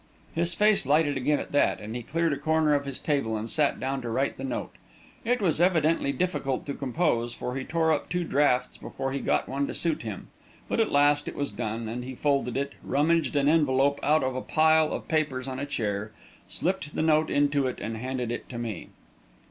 His face lighted again at that, and he cleared a corner of his table and sat down to write the note. It was evidently difficult to compose, for he tore up two drafts before he got one to suit him. But at last it was done, and he folded it, rummaged an envelope out of a pile of papers on a chair, slipped the note into it, and handed it to me.